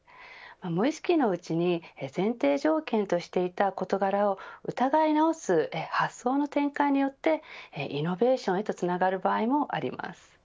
無意識のうちに前提条件としていた事柄を疑い直す発想の転換によってイノベーションへとつながる場合もあります。